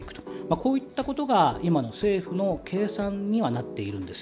こういったことが今の政府の計算にはなっているんです。